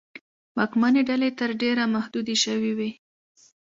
واکمنې ډلې تر ډېره محدودې شوې وې.